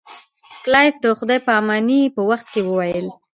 کلایف د خدای په امانی په وخت کې وویل.